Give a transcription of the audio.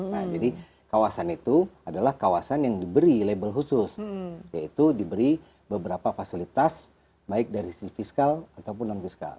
nah jadi kawasan itu adalah kawasan yang diberi label khusus yaitu diberi beberapa fasilitas baik dari sisi fiskal ataupun non fiskal